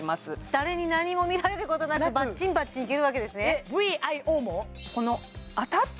誰に何も見られることなくバッチンバッチンいけるわけですねえっＶＩＯも？